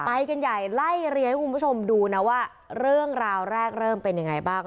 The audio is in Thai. ไปกันใหญ่ไล่เรียงให้คุณผู้ชมดูนะว่าเรื่องราวแรกเริ่มเป็นยังไงบ้าง